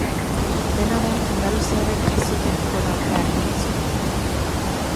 Dena den, andaluziarrek ez zuten gol aukera argirik sortu.